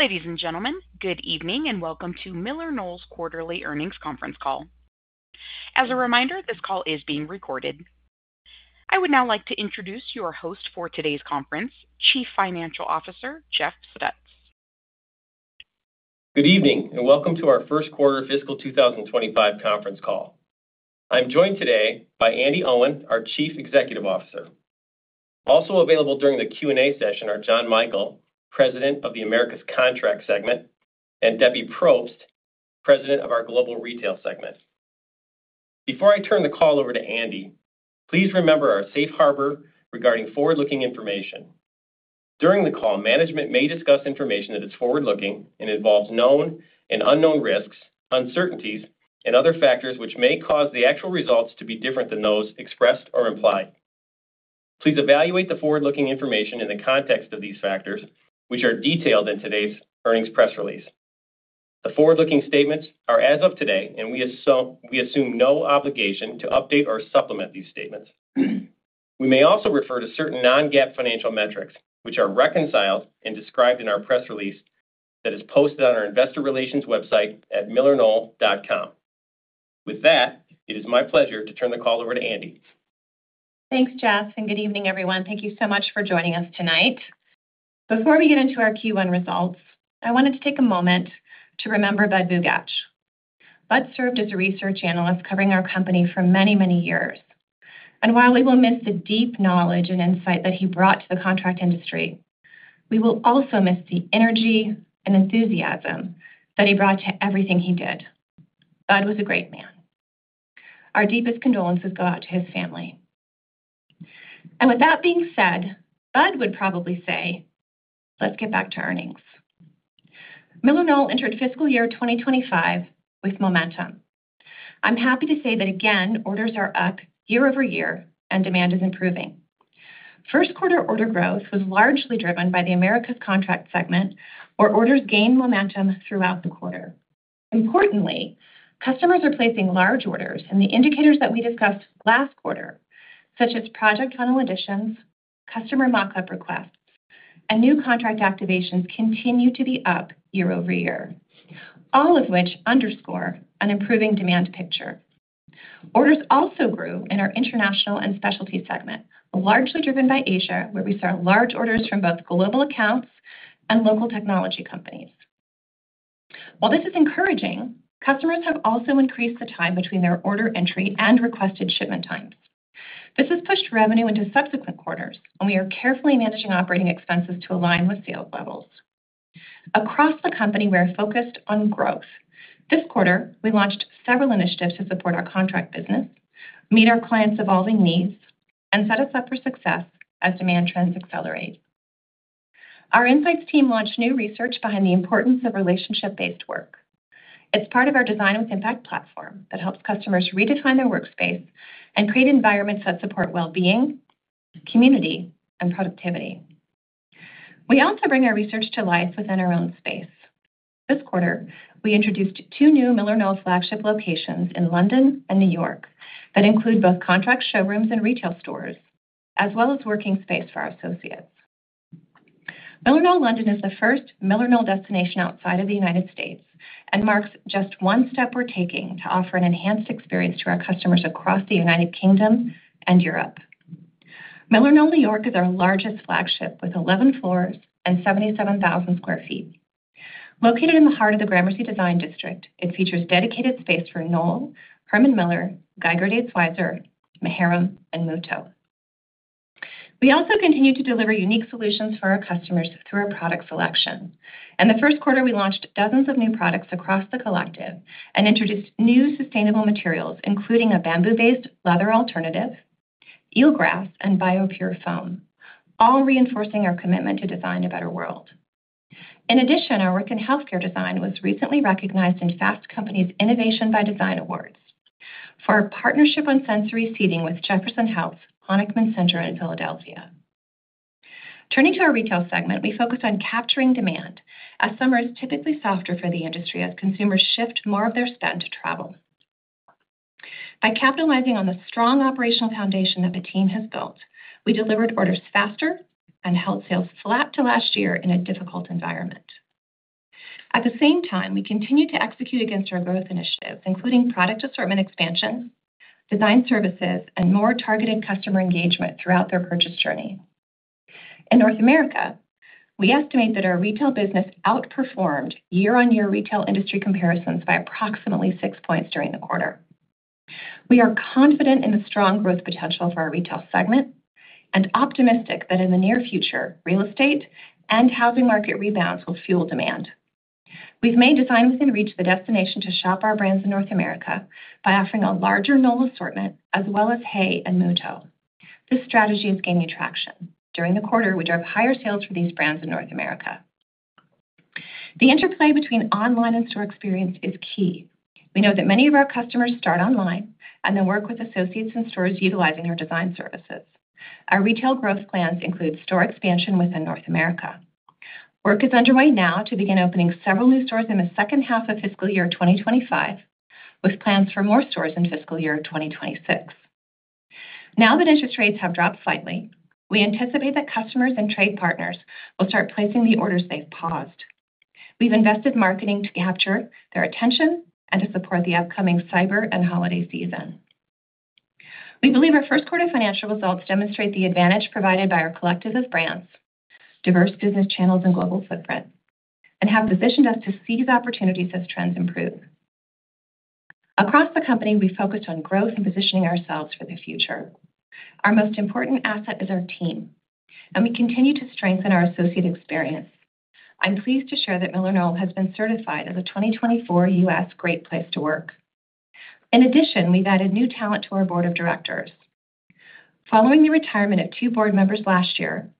Ladies and gentlemen, good evening, and welcome to MillerKnoll's quarterly earnings conference call. As a reminder, this call is being recorded. I would now like to introduce your host for today's conference, Chief Financial Officer, Jeff Stutz. Good evening, and welcome to our first quarter fiscal two thousand and twenty-five conference call. I'm joined today by Andi Owen, our Chief Executive Officer. Also available during the Q&A session are John Michael, President of the Americas Contract segment, and Debbie Propst, President of our Global Retail segment. Before I turn the call over to Andi, please remember our safe harbor regarding forward-looking information. During the call, management may discuss information that is forward-looking and involves known and unknown risks, uncertainties, and other factors which may cause the actual results to be different than those expressed or implied. Please evaluate the forward-looking information in the context of these factors, which are detailed in today's earnings press release. The forward-looking statements are as of today, and we assume no obligation to update or supplement these statements. We may also refer to certain non-GAAP financial metrics, which are reconciled and described in our press release that is posted on our investor relations website at millerknoll.com. With that, it is my pleasure to turn the call over to Andi. Thanks, Jeff, and good evening, everyone. Thank you so much for joining us tonight. Before we get into our Q1 results, I wanted to take a moment to remember Budd Bugatch. Budd served as a research analyst covering our company for many, many years, and while we will miss the deep knowledge and insight that he brought to the contract industry, we will also miss the energy and enthusiasm that he brought to everything he did. Budd was a great man. Our deepest condolences go out to his family, and with that being said, Budd would probably say, "Let's get back to earnings." MillerKnoll entered fiscal year 2025 with momentum. I'm happy to say that again, orders are up year-over-year and demand is improving. First quarter order growth was largely driven by the Americas Contract segment, where orders gained momentum throughout the quarter. Importantly, customers are placing large orders, and the indicators that we discussed last quarter, such as funnel additions, customer mock-up requests, and new contract activations, continue to be up year-over-year, all of which underscore an improving demand picture. Orders also grew in our International and Specialty segment, largely driven by Asia, where we saw large orders from both global accounts and local technology companies. While this is encouraging, customers have also increased the time between their order entry and requested shipment times. This has pushed revenue into subsequent quarters, and we are carefully managing operating expenses to align with sales levels. Across the company, we are focused on growth. This quarter, we launched several initiatives to support our contract business, meet our clients' evolving needs, and set us up for success as demand trends accelerate. Our insights team launched new research behind the importance of relationship-based work. It's part of our Design With Impact platform that helps customers redefine their workspace and create environments that support well-being, community, and productivity. We also bring our research to life within our own space. This quarter, we introduced two new MillerKnoll flagship locations in London and New York that include both contract showrooms and retail stores, as well as working space for our associates. MillerKnoll London is the first MillerKnoll destination outside of the United States and marks just one step we're taking to offer an enhanced experience to our customers across the United Kingdom and Europe. MillerKnoll New York is our largest flagship, with 11 floors and 77,000 sq ft. Located in the heart of the Gramercy Design District, it features dedicated space for Knoll, Herman Miller, Geiger, DatesWeiser, Maharam, and Muuto. We also continue to deliver unique solutions for our customers through our product selection. In the first quarter, we launched dozens of new products across the collective and introduced new sustainable materials, including a bamboo-based leather alternative, eelgrass, and bio-based foam, all reinforcing our commitment to design a better world. In addition, our work in healthcare design was recently recognized in Fast Company's Innovation by Design Awards for our partnership on sensory seating with Jefferson Health, Honickman Center in Philadelphia. Turning to our retail segment, we focus on capturing demand as summer is typically softer for the industry as consumers shift more of their spend to travel. By capitalizing on the strong operational foundation that the team has built, we delivered orders faster and held sales flat to last year in a difficult environment. At the same time, we continued to execute against our growth initiatives, including product assortment expansion, design services, and more targeted customer engagement throughout their purchase journey. In North America, we estimate that our retail business outperformed year-on-year retail industry comparisons by approximately six points during the quarter. We are confident in the strong growth potential for our retail segment and optimistic that in the near future, real estate and housing market rebounds will fuel demand. We've made Design Within Reach the destination to shop our brands in North America by offering a larger Knoll assortment, as well as HAY and Muuto. This strategy is gaining traction. During the quarter, we drove higher sales for these brands in North America. The interplay between online and store experience is key. We know that many of our customers start online and then work with associates in stores utilizing our design services. Our retail growth plans include store expansion within North America. Work is underway now to begin opening several new stores in the second half of fiscal year 2025, with plans for more stores in fiscal year 2026. Now that interest rates have dropped slightly, we anticipate that customers and trade partners will start placing the orders they've paused. We've invested marketing to capture their attention and to support the upcoming Cyber and holiday season. We believe our first quarter financial results demonstrate the advantage provided by our collective as brands, diverse business channels, and global footprint, and have positioned us to seize opportunities as trends improve. Across the company, we focused on growth and positioning ourselves for the future. Our most important asset is our team, and we continue to strengthen our associate experience. I'm pleased to share that MillerKnoll has been certified as a 2024 U.S. Great Place to Work. In addition, we've added new talent to our board of directors. Following the retirement of two board members last year,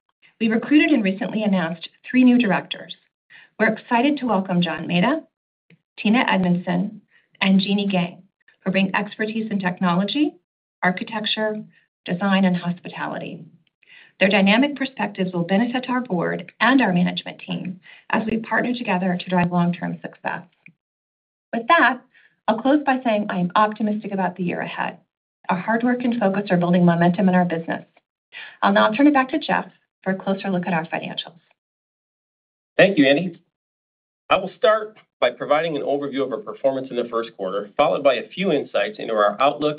we recruited and recently announced three new directors. We're excited to welcome John Maeda, Tina Edmundson, and Jeanne Gang, who bring expertise in technology, architecture, design, and hospitality. Their dynamic perspectives will benefit our board and our management team as we partner together to drive long-term success. With that, I'll close by saying I am optimistic about the year ahead. Our hard work and focus are building momentum in our business. I'll now turn it back to Jeff for a closer look at our financials. Thank you, Andi. I will start by providing an overview of our performance in the first quarter, followed by a few insights into our outlook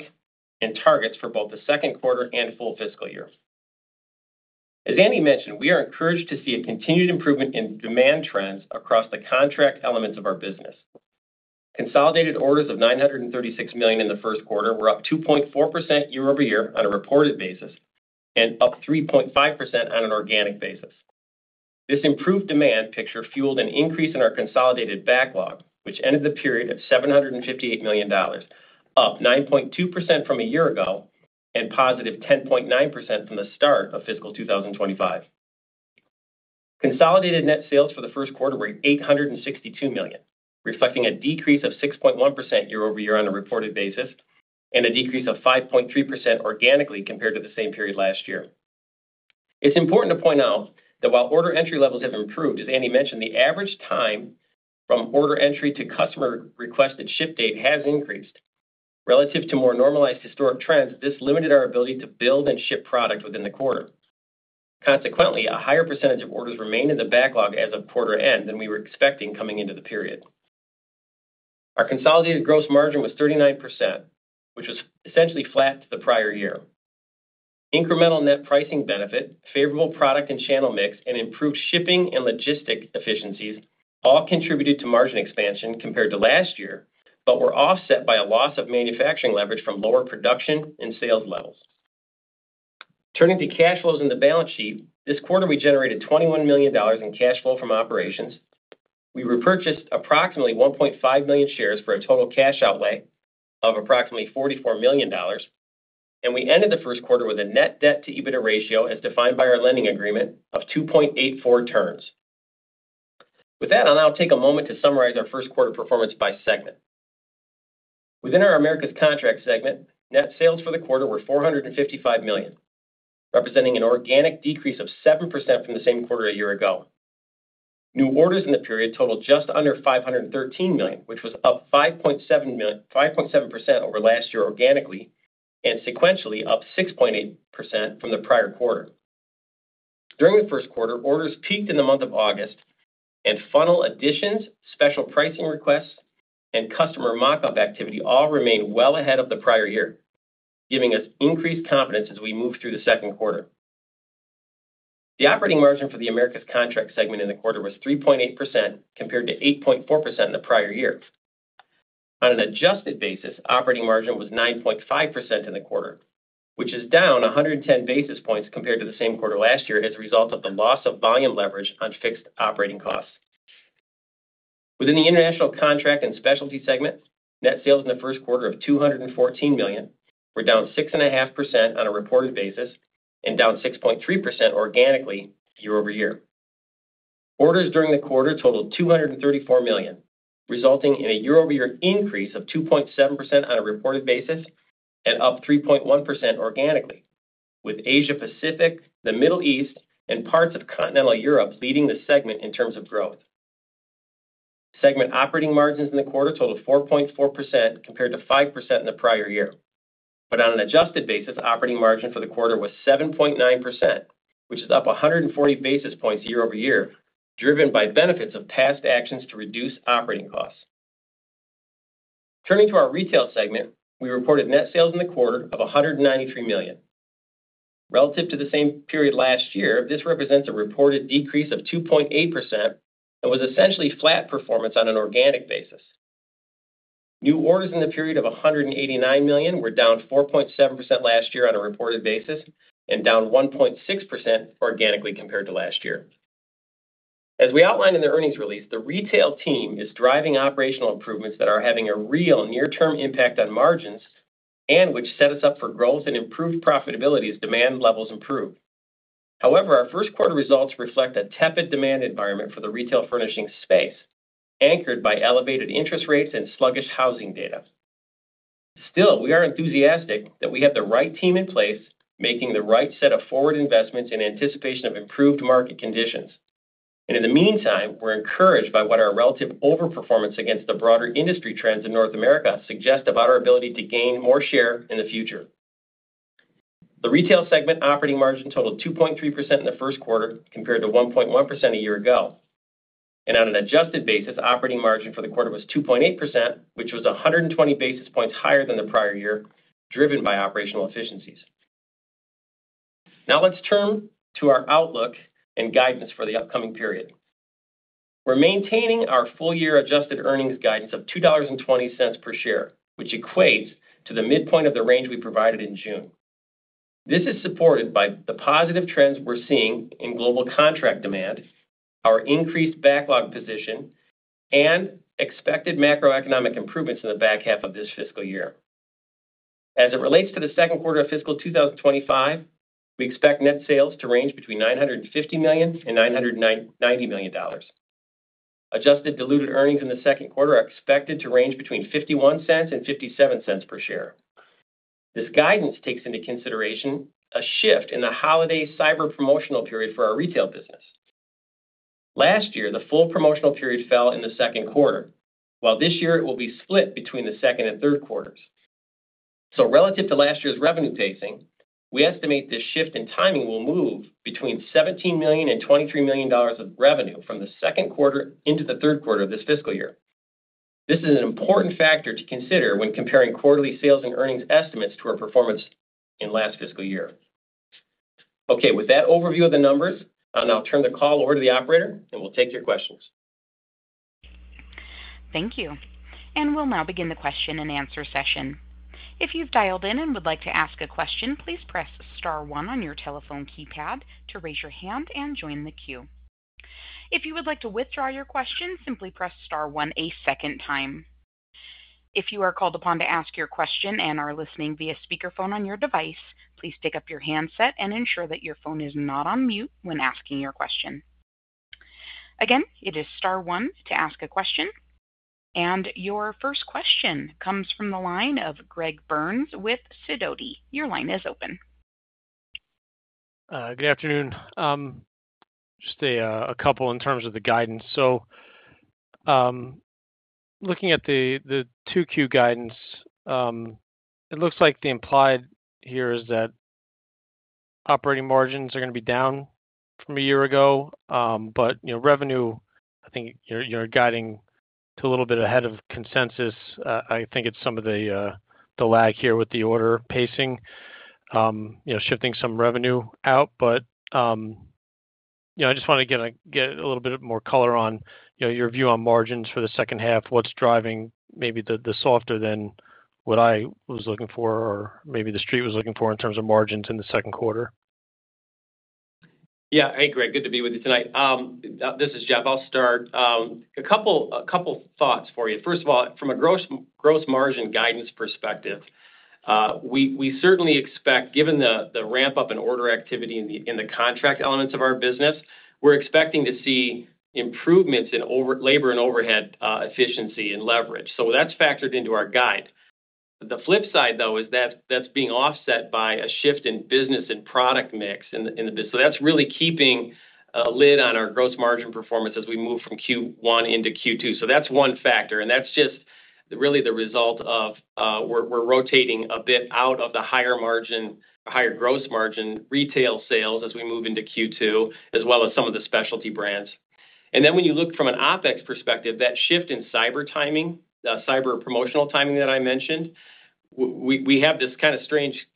and targets for both the second quarter and full fiscal year. As Andi mentioned, we are encouraged to see a continued improvement in demand trends across the contract elements of our business. Consolidated orders of $936 million in the first quarter were up 2.4% year-over-year on a reported basis, and up 3.5% on an organic basis. This improved demand picture fueled an increase in our consolidated backlog, which ended the period at $758 million, up 9.2% from a year ago, and positive 10.9% from the start of fiscal 2025. Consolidated net sales for the first quarter were $862 million, reflecting a decrease of 6.1% year-over-year on a reported basis, and a decrease of 5.3% organically compared to the same period last year. It's important to point out that while order entry levels have improved, as Andi mentioned, the average time from order entry to customer-requested ship date has increased. Relative to more normalized historic trends, this limited our ability to build and ship product within the quarter. Consequently, a higher percentage of orders remained in the backlog as of quarter end than we were expecting coming into the period. Our consolidated gross margin was 39%, which was essentially flat to the prior year. Incremental net pricing benefit, favorable product and channel mix, and improved shipping and logistic efficiencies all contributed to margin expansion compared to last year, but were offset by a loss of manufacturing leverage from lower production and sales levels. Turning to cash flows in the balance sheet, this quarter, we generated $21 million in cash flow from operations. We repurchased approximately 1.5 million shares for a total cash outlay of approximately $44 million, and we ended the first quarter with a net debt to EBITDA ratio, as defined by our lending agreement, of 2.84 turns. With that, I'll now take a moment to summarize our first quarter performance by segment. Within our Americas Contract segment, net sales for the quarter were $455 million, representing an organic decrease of 7% from the same quarter a year ago. New orders in the period totaled just under $513 million, which was up 5.7% over last year organically, and sequentially up 6.8% from the prior quarter. During the first quarter, orders peaked in the month of August, and funnel additions, special pricing requests, and customer mock-up activity all remained well ahead of the prior year, giving us increased confidence as we move through the second quarter. The operating margin for the Americas Contract segment in the quarter was 3.8%, compared to 8.4% in the prior year. On an adjusted basis, operating margin was 9.5% in the quarter, which is down 110 basis points compared to the same quarter last year as a result of the loss of volume leverage on fixed operating costs. Within the International Contract and Specialty segment, net sales in the first quarter of $214 million were down 6.5% on a reported basis and down 6.3% organically year-over-year. Orders during the quarter totaled $234 million, resulting in a year-over-year increase of 2.7% on a reported basis and up 3.1% organically, with Asia Pacific, the Middle East, and parts of continental Europe leading the segment in terms of growth. Segment operating margins in the quarter totaled 4.4%, compared to 5% in the prior year, but on an adjusted basis, operating margin for the quarter was 7.9%, which is up 140 basis points year-over-year, driven by benefits of past actions to reduce operating costs. Turning to our retail segment, we reported net sales in the quarter of $193 million. Relative to the same period last year, this represents a reported decrease of 2.8% and was essentially flat performance on an organic basis. New orders in the period of $189 million were down 4.7% last year on a reported basis and down 1.6% organically compared to last year. As we outlined in the earnings release, the retail team is driving operational improvements that are having a real near-term impact on margins and which set us up for growth and improved profitability as demand levels improve. However, our first quarter results reflect a tepid demand environment for the retail furnishing space, anchored by elevated interest rates and sluggish housing data. Still, we are enthusiastic that we have the right team in place, making the right set of forward investments in anticipation of improved market conditions... and in the meantime, we're encouraged by what our relative overperformance against the broader industry trends in North America suggest about our ability to gain more share in the future. The retail segment operating margin totaled 2.3% in the first quarter, compared to 1.1% a year ago. And on an adjusted basis, operating margin for the quarter was 2.8%, which was 120 basis points higher than the prior year, driven by operational efficiencies. Now, let's turn to our outlook and guidance for the upcoming period. We're maintaining our full-year adjusted earnings guidance of $2.20 per share, which equates to the midpoint of the range we provided in June. This is supported by the positive trends we're seeing in global contract demand, our increased backlog position, and expected macroeconomic improvements in the back half of this fiscal year. As it relates to the second quarter of fiscal 2025, we expect net sales to range between $950 million and $990 million. Adjusted diluted earnings in the second quarter are expected to range between $0.51 and $0.57 per share. This guidance takes into consideration a shift in the holiday Cyber promotional period for our retail business. Last year, the full promotional period fell in the second quarter, while this year it will be split between the second and third quarters. So relative to last year's revenue pacing, we estimate this shift in timing will move between $17 million and $23 million of revenue from the second quarter into the third quarter of this fiscal year. This is an important factor to consider when comparing quarterly sales and earnings estimates to our performance in last fiscal year. Okay, with that overview of the numbers, I'll now turn the call over to the operator and we'll take your questions. Thank you, and we'll now begin the question-and-answer session. If you've dialed in and would like to ask a question, please press star one on your telephone keypad to raise your hand and join the queue. If you would like to withdraw your question, simply press star one a second time. If you are called upon to ask your question and are listening via speakerphone on your device, please pick up your handset and ensure that your phone is not on mute when asking your question. Again, it is star one to ask a question, and your first question comes from the line of Gregory Burns with Sidoti. Your line is open. Good afternoon. Just a couple in terms of the guidance. So, looking at the two Q guidance, it looks like the implied here is that operating margins are gonna be down from a year ago. But, you know, revenue, I think you're guiding to a little bit ahead of consensus. I think it's some of the lag here with the order pacing, you know, shifting some revenue out. But, you know, I just wanna get a little bit more color on your view on margins for the second half. What's driving maybe the softer than what I was looking for, or maybe the street was looking for in terms of margins in the second quarter? Yeah. Hey, Gregory, good to be with you tonight. This is Jeff. I'll start. A couple thoughts for you. First of all, from a gross margin guidance perspective, we certainly expect, given the ramp-up in order activity in the contract elements of our business, we're expecting to see improvements in overall labor and overhead efficiency and leverage. So that's factored into our guide. The flip side, though, is that that's being offset by a shift in business and product mix. So that's really keeping a lid on our gross margin performance as we move from Q1 into Q2. So that's one factor, and that's just really the result of, we're rotating a bit out of the higher gross margin retail sales as we move into Q2, as well as some of the specialty brands. And then when you look from an OpEx perspective, that shift in Cyber timing, Cyber promotional timing that I mentioned, we have this kinda strange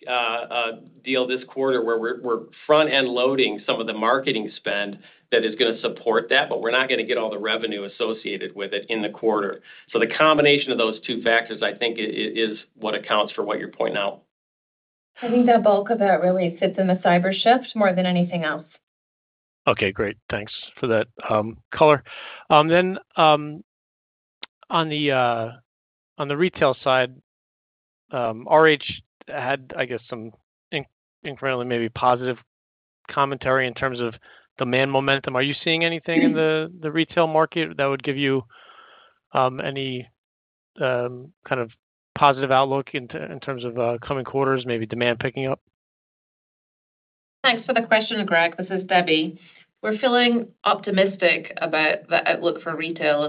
deal this quarter where we're front-end loading some of the marketing spend that is gonna support that, but we're not gonna get all the revenue associated with it in the quarter. So the combination of those two factors, I think, is what accounts for what you're pointing out. I think the bulk of that really sits in the Cyber shift more than anything else. Okay, great. Thanks for that, color. Then, on the retail side, RH had, I guess, some incredibly maybe positive commentary in terms of demand momentum. Are you seeing anything in the retail market that would give you any kind of positive outlook in terms of coming quarters, maybe demand picking up? Thanks for the question, Gregory. This is Debbie. We're feeling optimistic about the outlook for retail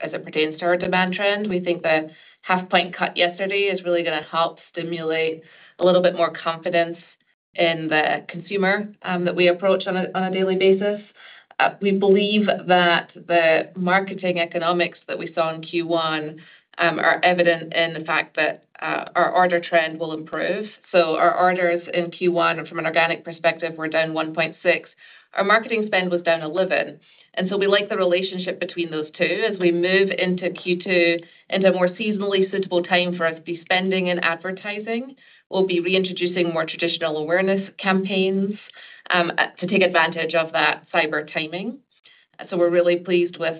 as it pertains to our demand trend. We think the half point cut yesterday is really gonna help stimulate a little bit more confidence in the consumer that we approach on a daily basis. We believe that the marketing economics that we saw in Q1 are evident in the fact that our order trend will improve. So our orders in Q1, from an organic perspective, were down 1.6%. Our marketing spend was down 11%, and so we like the relationship between those two. As we move into Q2, into a more seasonally suitable time for us to be spending in advertising, we'll be reintroducing more traditional awareness campaigns to take advantage of that Cyber timing. We're really pleased with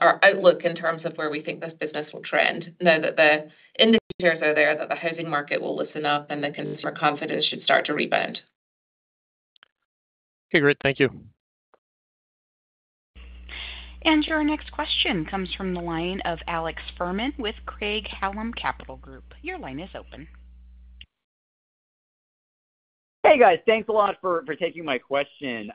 our outlook in terms of where we think this business will trend now that the indicators are there, that the housing market will loosen up and the consumer confidence should start to rebound. Okay, great. Thank you. Your next question comes from the line of Alex Fuhrman with Craig-Hallum Capital Group. Your line is open. Hey, guys. Thanks a lot for taking my question.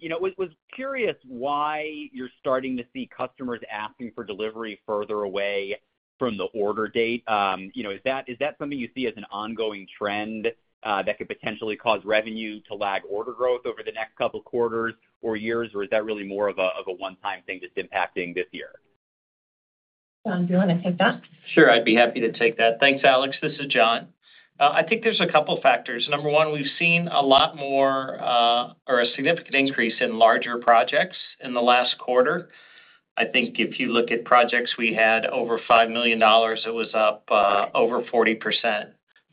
You know, was curious why you're starting to see customers asking for delivery further away from the order date. You know, is that something you see as an ongoing trend that could potentially cause revenue to lag order growth over the next couple quarters or years? Or is that really more of a one-time thing that's impacting this year? John, do you wanna take that? Sure, I'd be happy to take that. Thanks, Alex. This is John. I think there's a couple factors. Number one, we've seen a lot more, or a significant increase in larger projects in the last quarter. I think if you look at projects we had over $5 million, it was up, over 40%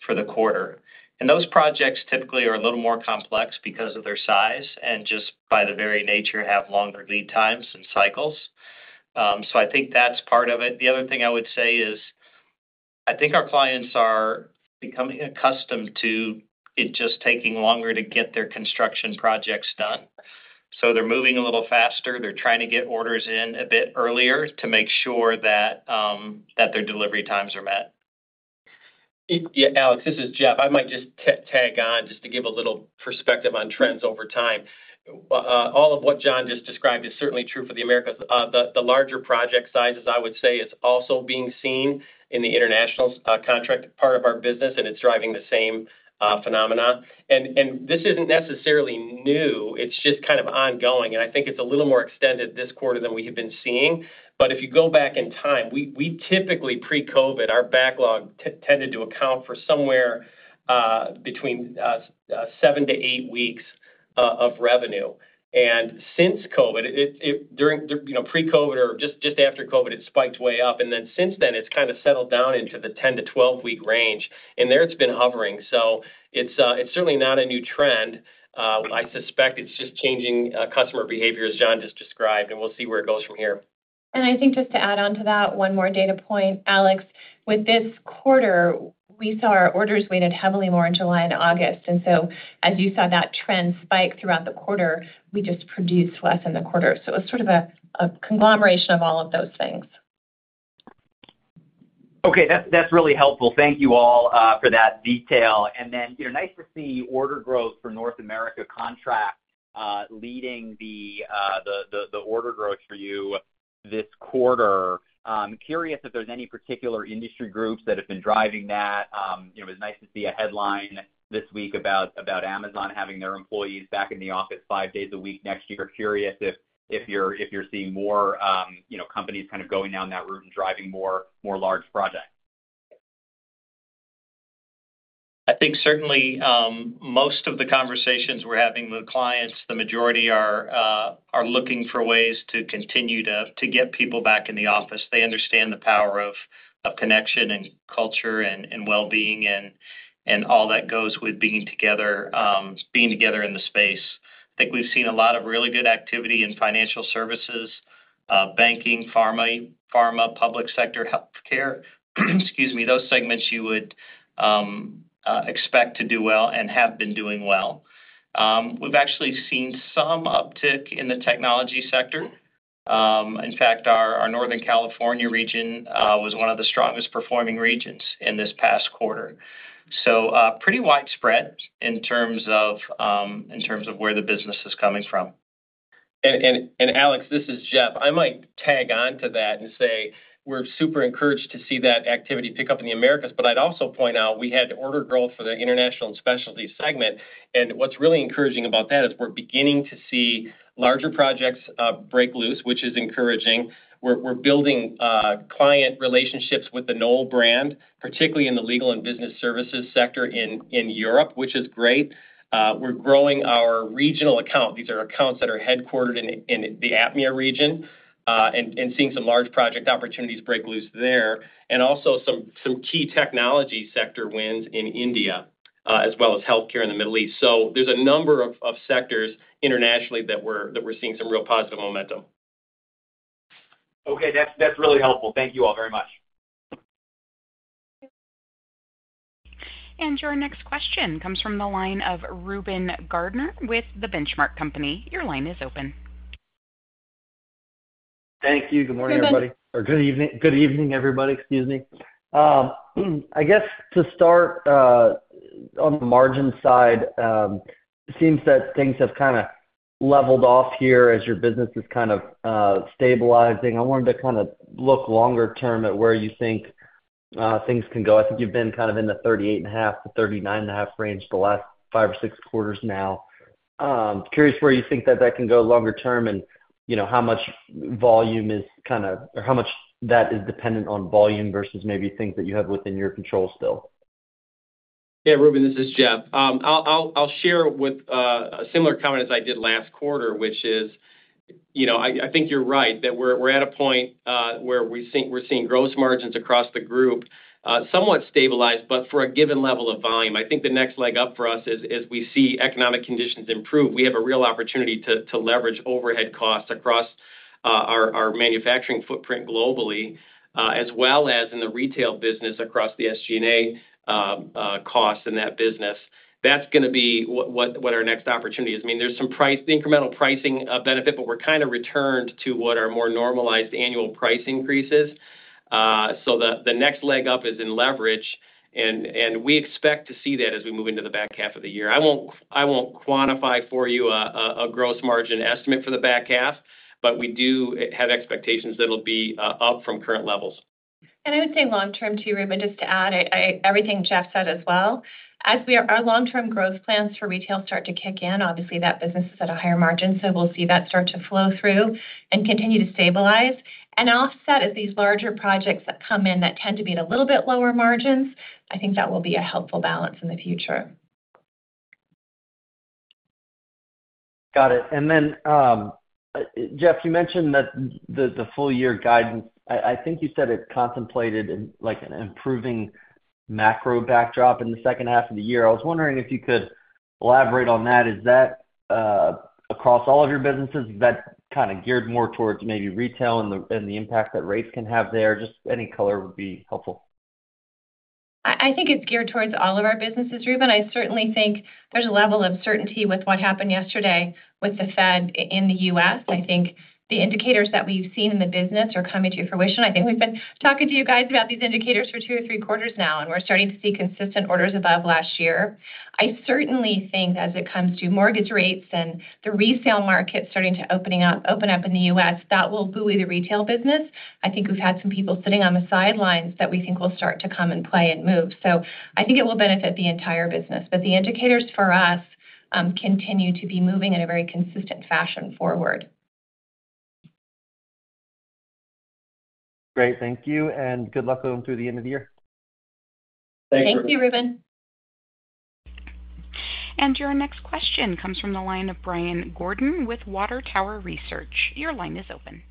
for the quarter. And those projects typically are a little more complex because of their size, and just by the very nature, have longer lead times and cycles. So I think that's part of it. The other thing I would say is, I think our clients are becoming accustomed to it just taking longer to get their construction projects done, so they're moving a little faster. They're trying to get orders in a bit earlier to make sure that, that their delivery times are met. Yeah, Alex, this is Jeff. I might just tag on just to give a little perspective on trends over time. All of what John just described is certainly true for the Americas. The larger project sizes, I would say, is also being seen in the internationals contract part of our business, and it's driving the same phenomena. And this isn't necessarily new, it's just kind of ongoing, and I think it's a little more extended this quarter than we have been seeing. But if you go back in time, we typically, pre-COVID, our backlog tended to account for somewhere between seven to eight weeks of revenue. Since COVID, you know, pre-COVID or just after COVID, it spiked way up, and then since then, it's kind of settled down into the 10- to 12-week range, and there it's been hovering. So it's certainly not a new trend. I suspect it's just changing customer behavior, as John just described, and we'll see where it goes from here. And I think just to add on to that, one more data point, Alex. With this quarter, we saw our orders weighted heavily more in July and August. And so as you saw that trend spike throughout the quarter, we just produced less in the quarter. So it's sort of a conglomeration of all of those things. Okay, that's really helpful. Thank you all for that detail. And then, you know, nice to see order growth for North America Contract leading the order growth for you this quarter. Curious if there's any particular industry groups that have been driving that? You know, it was nice to see a headline this week about Amazon having their employees back in the office five days a week next year. Curious if you're seeing more, you know, companies kind of going down that route and driving more large projects? I think certainly, most of the conversations we're having with clients, the majority are looking for ways to continue to get people back in the office. They understand the power of connection and culture and well-being and all that goes with being together in the space. I think we've seen a lot of really good activity in financial services, banking, pharma, public sector, healthcare, excuse me, those segments you would expect to do well and have been doing well. We've actually seen some uptick in the technology sector. In fact, our Northern California region was one of the strongest performing regions in this past quarter. So, pretty widespread in terms of where the business is coming from. Alex, this is Jeff. I might tag on to that and say, we're super encouraged to see that activity pick up in the Americas. But I'd also point out, we had order growth for the International and Specialty segment, and what's really encouraging about that is we're beginning to see larger projects break loose, which is encouraging. We're building client relationships with the Knoll brand, particularly in the legal and business services sector in Europe, which is great. We're growing our regional account. These are accounts that are headquartered in the APMEA region and seeing some large project opportunities break loose there, and also some key technology sector wins in India as well as healthcare in the Middle East. So there's a number of sectors internationally that we're seeing some real positive momentum. Okay. That's, that's really helpful. Thank you all very much. Your next question comes from the line of Reuben Garner with The Benchmark Company. Your line is open. Thank you. Good morning, everybody. Reuben. Good evening, everybody. Excuse me. I guess to start, on the margin side, it seems that things have kind of leveled off here as your business is kind of stabilizing. I wanted to kind of look longer term at where you think things can go. I think you've been kind of in the 38.5%-39.5% range for the last five or six quarters now. Curious where you think that that can go longer term? And, you know, how much volume is kind of... Or how much that is dependent on volume versus maybe things that you have within your control still. Yeah, Reuben, this is Jeff. I'll share with a similar comment as I did last quarter, which is, you know, I think you're right, that we're at a point where we think we're seeing gross margins across the group somewhat stabilized, but for a given level of volume. I think the next leg up for us is, as we see economic conditions improve, we have a real opportunity to leverage overhead costs across our manufacturing footprint globally, as well as in the retail business across the SG&A costs in that business. That's gonna be what our next opportunity is. I mean, there's some price incremental pricing benefit, but we're kind of returned to what our more normalized annual price increases. So the next leg up is in leverage, and we expect to see that as we move into the back half of the year. I won't quantify for you a gross margin estimate for the back half, but we do have expectations that it'll be up from current levels. I would say long-term, too, Reuben, just to add, everything Jeff said as well. As we are. Our long-term growth plans for retail start to kick in. Obviously, that business is at a higher margin, so we'll see that start to flow through and continue to stabilize. And offset is these larger projects that come in that tend to be at a little bit lower margins. I think that will be a helpful balance in the future. Got it. And then, Jeff, you mentioned that the full year guidance, I think you said it contemplated in, like, an improving macro backdrop in the second half of the year. I was wondering if you could elaborate on that. Is that across all of your businesses, is that kinda geared more towards maybe retail and the impact that rates can have there? Just any color would be helpful. I think it's geared towards all of our businesses, Reuben. I certainly think there's a level of certainty with what happened yesterday with the Fed in the U.S. I think the indicators that we've seen in the business are coming to fruition. I think we've been talking to you guys about these indicators for two or three quarters now, and we're starting to see consistent orders above last year. I certainly think as it comes to mortgage rates and the resale market starting to open up in the U.S., that will buoy the retail business. I think we've had some people sitting on the sidelines that we think will start to come and play and move. So I think it will benefit the entire business, but the indicators for us continue to be moving in a very consistent fashion forward. Great. Thank you, and good luck going through the end of the year. Thank you. Thank you, Reuben. And your next question comes from the line of Brad Thomas with KeyBanc Capital Markets. Your line is open.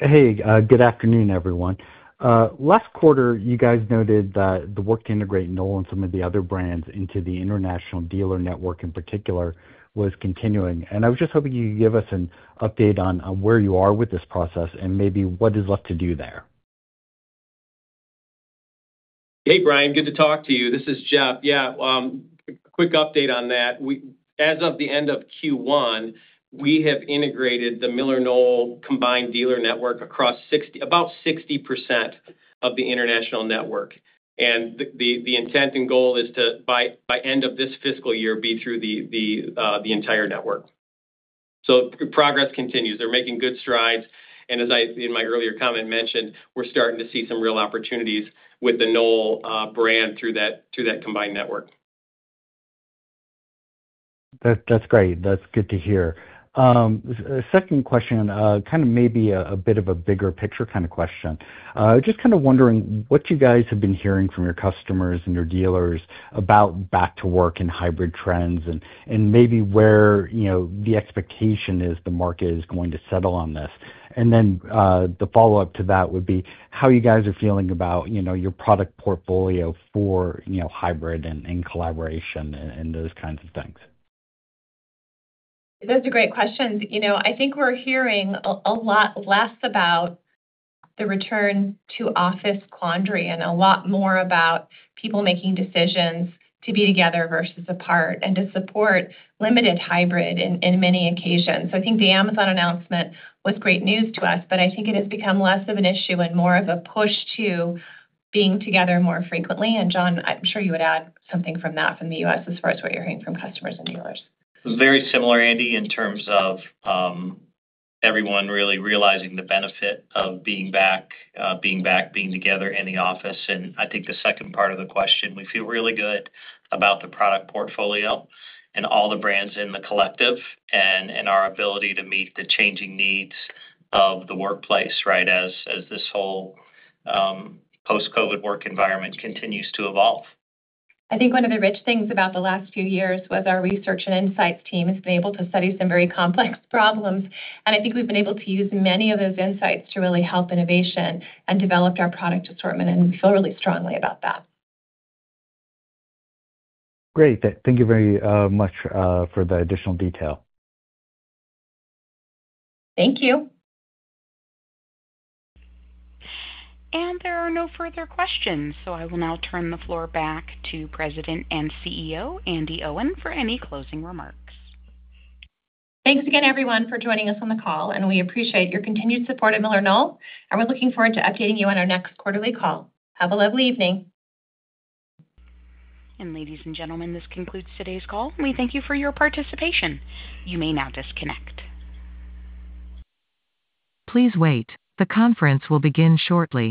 Hey, good afternoon, everyone. Last quarter, you guys noted that the work to integrate Knoll and some of the other brands into the international dealer network, in particular, was continuing. And I was just hoping you could give us an update on where you are with this process and maybe what is left to do there. Hey, Brad, good to talk to you. This is Jeff. Yeah, quick update on that. As of the end of Q1, we have integrated the MillerKnoll combined dealer network across 60, about 60% of the international network. And the intent and goal is to, by end of this fiscal year, be through the entire network. So progress continues. They're making good strides, and as I in my earlier comment mentioned, we're starting to see some real opportunities with the Knoll brand through that combined network. That, that's great. That's good to hear. Second question, kind of maybe a bit of a bigger picture kind of question. Just kind of wondering what you guys have been hearing from your customers and your dealers about back to work and hybrid trends and maybe where, you know, the expectation is the market is going to settle on this. And then, the follow-up to that would be how you guys are feeling about, you know, your product portfolio for, you know, hybrid and collaboration and those kinds of things. Those are great questions. You know, I think we're hearing a lot less about the return to office quandary and a lot more about people making decisions to be together versus apart, and to support limited hybrid in many occasions. So I think the Amazon announcement was great news to us, but I think it has become less of an issue and more of a push to being together more frequently. And, John, I'm sure you would add something from that the U.S. as far as what you're hearing from customers and dealers. Very similar, Andi, in terms of, everyone really realizing the benefit of being back, being together in the office. And I think the second part of the question, we feel really good about the product portfolio and all the brands in the collective, and our ability to meet the changing needs of the workplace, right? As this whole, post-COVID work environment continues to evolve. I think one of the rich things about the last few years was our research and insights team has been able to study some very complex problems, and I think we've been able to use many of those insights to really help innovation and developed our product assortment, and we feel really strongly about that. Great. Thank you very much for the additional detail. Thank you. There are no further questions, so I will now turn the floor back to President and CEO, Andi Owen, for any closing remarks. Thanks again, everyone, for joining us on the call, and we appreciate your continued support of MillerKnoll, and we're looking forward to updating you on our next quarterly call. Have a lovely evening. Ladies and gentlemen, this concludes today's call. We thank you for your participation. You may now disconnect. Please wait. The conference will begin shortly.